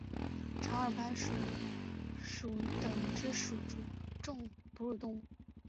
长耳攀鼠属等之数种哺乳动物。